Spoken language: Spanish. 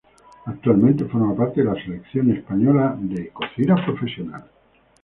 Actualmente, forma parte de la Selección española de cocina profesional.